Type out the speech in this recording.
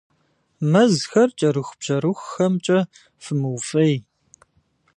Мэзхэр кӀэрыхубжьэрыхухэмкӀэ фымыуфӀей.